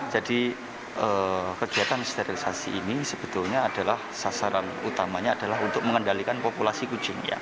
jadi kegiatan sterilisasi ini sebetulnya adalah sasaran utamanya adalah untuk mengendalikan populasi kucing